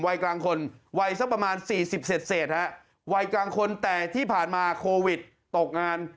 วัยกลางคนวัยสักประมาณสี่สิบเศษฮะวัยกลางคนแต่ที่ผ่านมาโควิดตกงาน